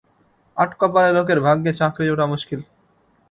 আট কপালে লােকের ভাগ্যে চাকরি জোটা মুশকিল।